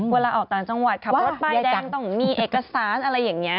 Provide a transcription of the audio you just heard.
เวลาออกต่างจังหวัดขับรถป้ายแดงต้องมีเอกสารอะไรอย่างนี้